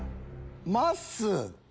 まっすー。